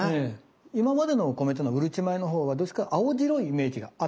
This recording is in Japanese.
今までのお米っていうのはうるち米のほうはどっちか青白いイメージがあったりするんです。